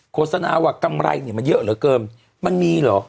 โฆษณาว่ากำไรเนี่ยมันเยอะเหลือเกินมันมีเหรอ